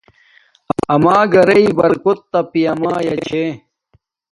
آما گھریݵ برکوت تا پیامایا چھے